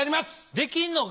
できんのか？